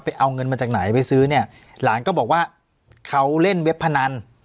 เอาเงินมาจากไหนไปซื้อเนี่ยหลานก็บอกว่าเขาเล่นเว็บพนัน